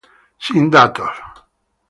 Sin datos.